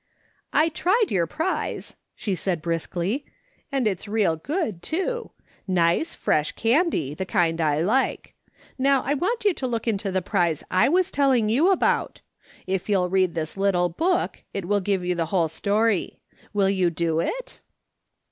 " I tried your prize," she said briskly, " and it's real good, too ; nice, fresh candy, the kind I like. Now I want you to look into the prize I was telUng you about ; if you'll read this little book, it will give you the whole story. Will you do it